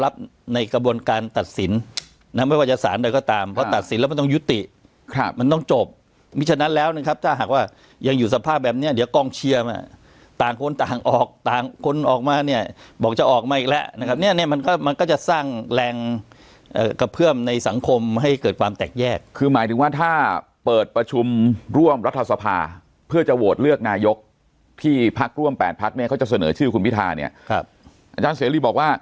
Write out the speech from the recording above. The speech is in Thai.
บนการตัดสินนำไว้วัยสารได้ก็ตามเพราะตัดสินแล้วมันต้องยุติครับมันต้องจบมิชชะนั้นแล้วนะครับถ้าหากว่ายังอยู่สภาพแบบเนี้ยเดี๋ยวกองเชียร์มาต่างคนต่างออกต่างคนออกมาเนี้ยบอกจะออกมาอีกแล้วนะครับเนี้ยเนี้ยมันก็มันก็จะสร้างแรงเอ่อกระเพื่อมในสังคมให้เกิดความแตกแยกคือหมายถึงว่าถ้าเปิ